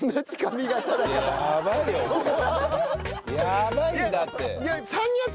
やばいんだって。